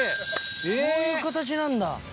こういう形なんだ。